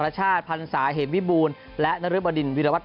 ก็จะมีการลงรายละเอียดที่สุดในการเล่นเกมวันนี้ครับ